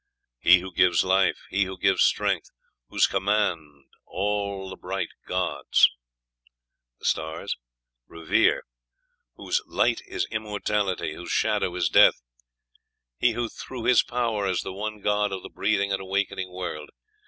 "He who gives life; He who gives strength; whose command all the bright gods" (the stars?) "revere; whose light is immortality; whose shadow is death.... He who through his power is the one God of the breathing and awakening world.